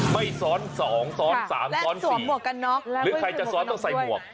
ไม่ซ้อน๒ซ้อน๓ซ้อน๔หรือใครจะซ้อนต้องใส่หมวก